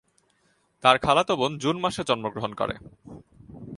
তার খালাতো বোন জুন মাসে জন্মগ্রহণ করে।